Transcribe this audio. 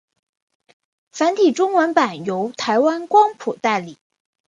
繁体中文版由台湾光谱代理。